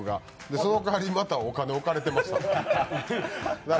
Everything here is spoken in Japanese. その代わり、またお金置かれてまして。